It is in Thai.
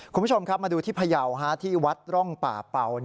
คุณผู้ชมครับมาดูที่พยาวที่วัดร่องป่าเป่า